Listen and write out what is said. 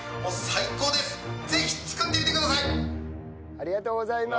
ありがとうございます！